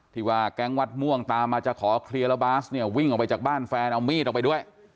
ที่ว่าแก๊งวัดม่วงตามมาจะขอเคลียร์แล้วบาสเนี่ยวิ่งออกไปจากบ้านแฟนเอามีดออกไปด้วย